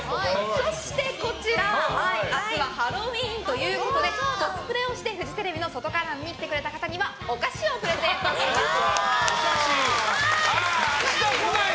そしてこちら明日はハロウィーンということでコスプレをしてフジテレビの外観覧に来てくれた方にはお菓子をプレゼントします。